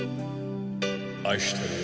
愛してるよ。